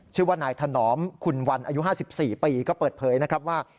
ชื่อว่านายถนอมคุณวันอายุ๕๔ปีก็เปิดเผยนะครับว่า